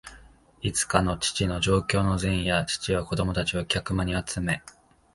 いつかの父の上京の前夜、父は子供たちを客間に集め、